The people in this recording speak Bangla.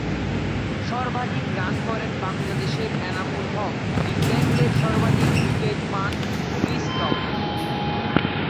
সর্বাধিক রান করেন বাংলাদেশের এনামুল হক, ইংল্যান্ডের সর্বাধিক উইকেট পান রিস টপলী।